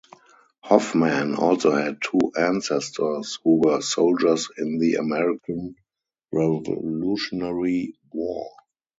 Hoffman also had two ancestors who were soldiers in the American Revolutionary War.